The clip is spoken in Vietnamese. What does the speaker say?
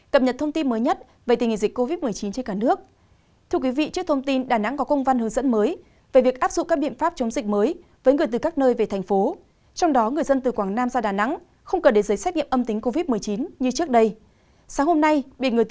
cảm ơn các bạn đã theo dõi